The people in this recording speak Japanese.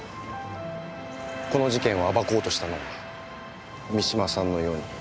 この事件を暴こうとしたのは三島さんのように。